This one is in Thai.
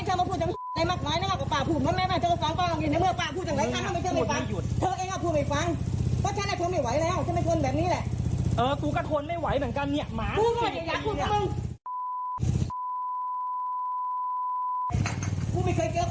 ถ้าได้ให้อาหารหมาตรงที่สาธารณะอีกอีกแก่อีก